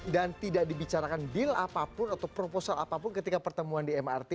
dan tidak dibicarakan deal apapun atau proposal apapun ketika pertemuan di mrt